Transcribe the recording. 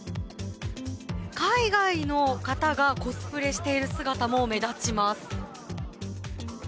海外の方がコスプレしている姿も目立ちます。